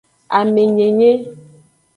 Amenyenye.